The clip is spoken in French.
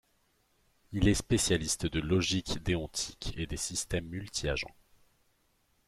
Il est spécialiste de logique déontique et des systèmes multi-agents.